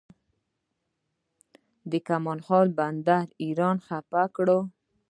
د کمال خان بند ایران خفه کړی؟